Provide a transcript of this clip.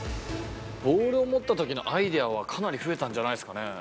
ボールを持ったときのアイデアはかなり増えたんじゃないですかね。